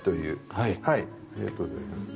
ありがとうございます。